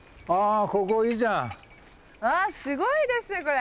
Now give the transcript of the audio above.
わあすごいですねこれ。